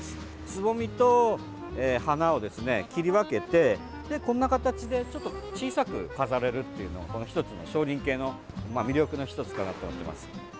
つぼみと花をですね、切り分けてこんな形でちょっと小さく飾れるっていうのが小輪系の魅力の１つかなと思います。